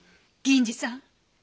銀次さん